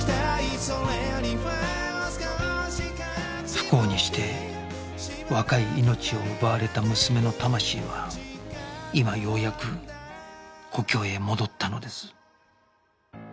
不幸にして若い命を奪われた娘の魂は今ようやく故郷へ戻ったのです